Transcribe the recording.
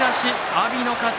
阿炎の勝ち。